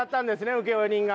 請負人が。